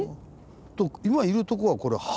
今いるとこはこれ晴海。